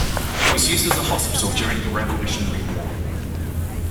It was used as a hospital during the Revolutionary War.